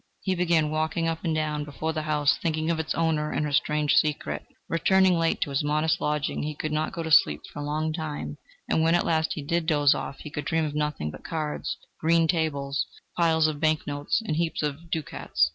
He began walking up and down before the house, thinking of its owner and her strange secret. Returning late to his modest lodging, he could not go to sleep for a long time, and when at last he did doze off, he could dream of nothing but cards, green tables, piles of banknotes and heaps of ducats.